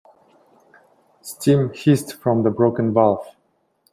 Steam hissed from the broken valve.